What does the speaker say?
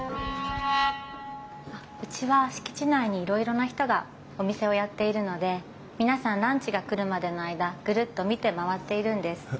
うちは敷地内にいろいろな人がお店をやっているので皆さんランチが来るまでの間ぐるっと見て回っているんです。